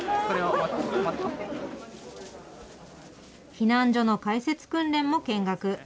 避難所の開設訓練も見学。